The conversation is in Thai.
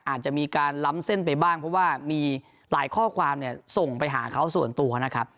อาจจะมีการล้ำเส้นไปบ้างเพราะว่ามีหลายข้อความเนี่ยส่งไปหาเขาส่วนตัวนะครับ